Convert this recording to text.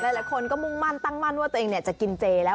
หลายคนก็มุ่งมั่นตั้งมั่นว่าตัวเองจะกินเจแล้ว